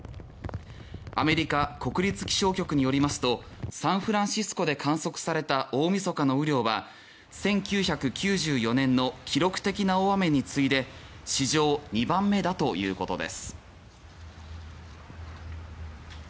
アメリカ国立気象局によりますとサンフランシスコで観測された大晦日の雨量は１９９４年の記録的な大雨に次いで史上２番目だということです。